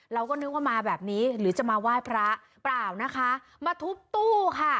เราก็นึกว่ามาแบบนี้หรือจะมาไหว้พระเปล่านะคะมาทุบตู้ค่ะ